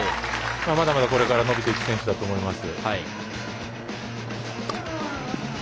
まだまだ、これから伸びていく選手だと思います。